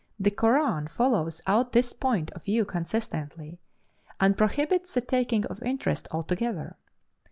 The Koran follows out this point of view consistently, and prohibits the taking of interest altogether.